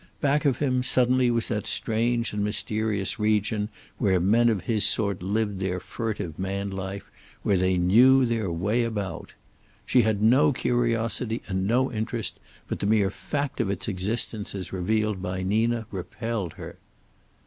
Back of him, suddenly, was that strange and mysterious region where men of his sort lived their furtive man life, where they knew their way about. She had no curiosity and no interest, but the mere fact of its existence as revealed by Nina repelled her.